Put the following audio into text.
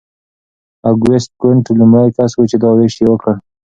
اګوست کنت لومړی کس و چې دا ویش یې وکړ.